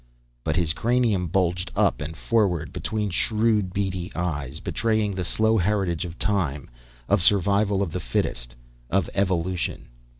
But his cranium bulged up and forward between shrewd, beady eyes, betraying the slow heritage of time, of survival of the fittest, of evolution.